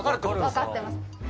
分かってます